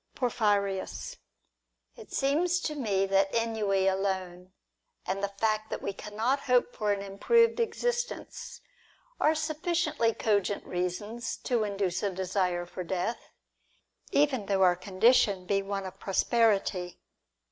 Porphyrins. It seems to me that ennui alone, and the fact that we cannot hope for an improved existence, are sufficiently cogent reasons to induce a desire for death, even though our condition be one of prosperity.